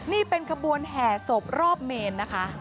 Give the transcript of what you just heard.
นี่เป็นขบวนแห่ศพรอบเมนนะคะ